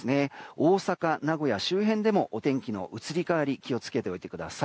大阪、名古屋周辺でもお天気の移り変わり気を付けてください。